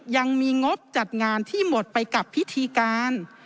งบจัดงานที่หมดไปกับพิธีการ